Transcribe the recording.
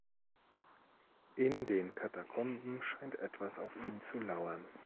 In den Katakomben scheint etwas auf ihn zu lauern.